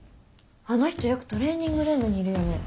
あの人よくトレーニングルームにいるよね。